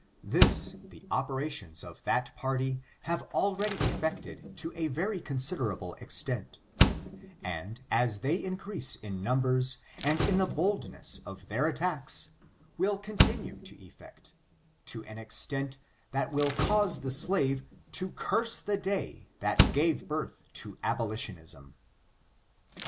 This the operations of that party have already effected to a very considerable ex tent, and as they increase in numbers and in the boldness of their attacks, will continue to effect, to an extent that will cause the slave to curse the day that gave birth to abolitionism.